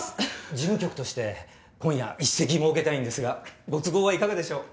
事務局として今夜一席設けたいんですがご都合はいかがでしょう？